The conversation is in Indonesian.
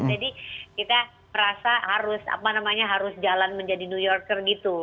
jadi kita merasa harus apa namanya harus jalan menjadi new yorker gitu